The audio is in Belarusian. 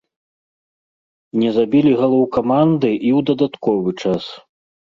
Не забілі галоў каманды і ў дадатковы час.